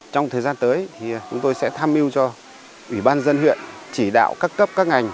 trong thời gian tới thì chúng tôi sẽ tham mưu cho ủy ban dân huyện chỉ đạo các cấp các ngành